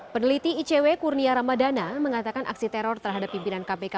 peneliti icw kurnia ramadana mengatakan aksi teror terhadap pimpinan kpk